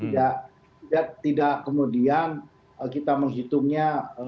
jadi tidak kemudian kita menghitungnya